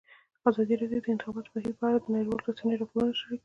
ازادي راډیو د د انتخاباتو بهیر په اړه د نړیوالو رسنیو راپورونه شریک کړي.